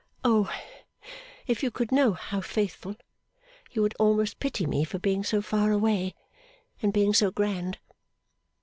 O, if you could know how faithful, you would almost pity me for being so far away and being so grand!